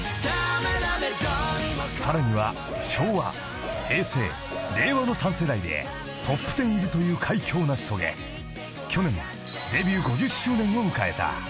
［さらには昭和平成令和の３世代でＴＯＰ１０入りという快挙を成し遂げ去年デビュー５０周年を迎えた］